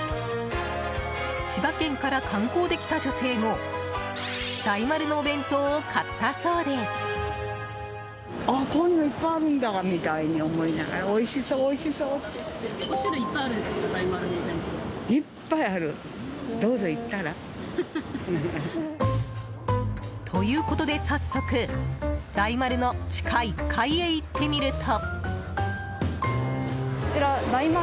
千葉県から観光で来た女性も大丸のお弁当を買ったそうで。ということで、早速大丸の地下１階へ行ってみると。